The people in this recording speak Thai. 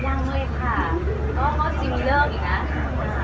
ยังไม่ค่าคือมันก็อาจจะมีเรื่องอีกนะ